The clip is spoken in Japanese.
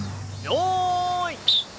よい。